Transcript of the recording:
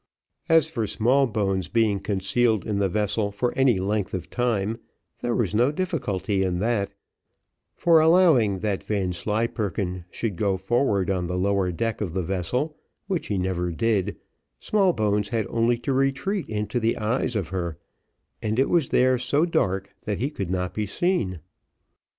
As for Smallbones being concealed in the vessel for any length of time there was no difficulty in that; for allowing that Vanslyperken should go forward on the lower deck of the vessel, which he never did, Smallbones had only to retreat into the eyes of her, and it was there so dark that he could not be seen.